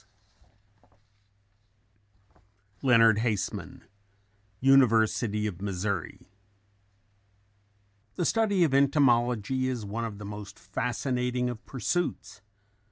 LEONARD HASEMAN University of Missouri. "_The study of entomology is one of the most fascinating of pursuits.